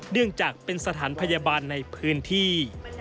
เนื่องจากเป็นสถานพยาบาลในพื้นที่